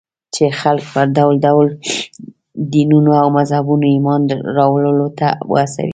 چې خلک پر ډول ډول دينونو او مذهبونو ايمان راوړلو ته وهڅوي.